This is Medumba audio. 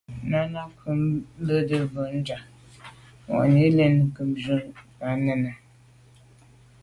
Náná nǔm jə́də́ bû mû ŋgā mwà’nì nyɔ̌ ŋkə̂mjvʉ́ ká nɛ̂n.